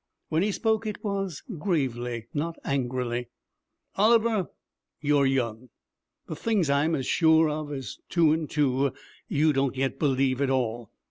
When he spoke, it was gravely, not angrily. 'Oliver, you're young. The things I'm as sure of as two and two, you don't yet believe at all.